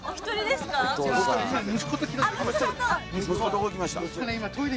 どこ行きました？